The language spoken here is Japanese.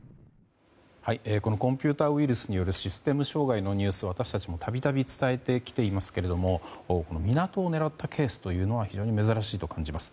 コンピューターウイルスによるシステム障害のニュースは私たちも度々伝えてきていますけれども港を狙ったケースというのは非常に珍しいと感じます。